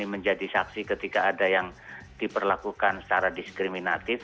menjadi saksi ketika ada yang diperlakukan secara diskriminatif